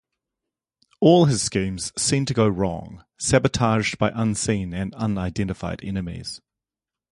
All his schemes seem to go wrong, sabotaged by unseen and unidentified enemies.